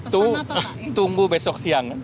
tunggu besok siang